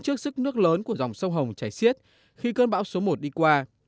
trước sức nước lớn của dòng sông hồng chảy xiết khi cơn bão số một đi qua